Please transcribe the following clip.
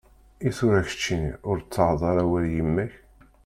Itura keččini, ur tettaɣeḍ ara awal i yemma-k?